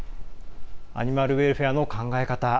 アニマルウェルフェアの考え方